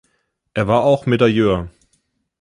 Er war auch Medailleur.